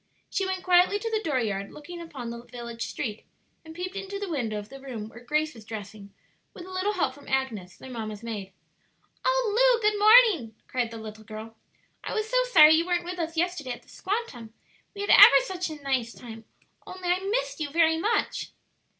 She went quietly to the dooryard looking upon the village street, and peeped into the window of the room where Grace was dressing with a little help from Agnes, their mamma's maid. "Oh, Lu, good morning," cried the little girl. "I was so sorry you weren't with us yesterday at the 'squantum;' we had ever such a nice time; only I missed you very much."